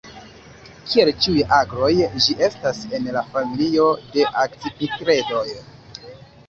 Kiel ĉiuj agloj, ĝi estas en la familio de Akcipitredoj.